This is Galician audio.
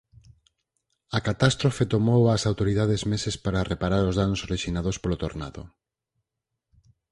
A catástrofe tomou ás autoridades meses para reparar os danos orixinados polo tornado.